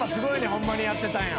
ホンマにやってたんや。